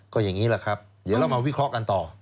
ก็อย่างนี้แหละครับเดี๋ยวเรามาวิเคราะห์กันต่อ